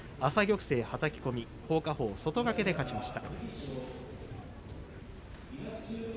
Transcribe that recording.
朝玉勢、はたき込み宝香鵬が外掛けで勝ちました。